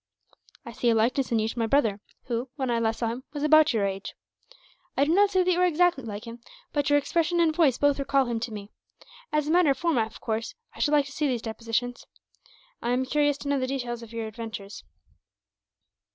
"I see a likeness in you to my brother who, when I last saw him, was about your age. I do not say that you are exactly like him, but your expression and voice both recall him to me. As a matter of form, of course, I should like to see these depositions. I am curious to know the details of your adventures.